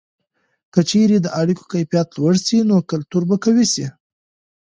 که چیرې د اړیکو کیفیت لوړه سي، نو کلتور به قوي سي.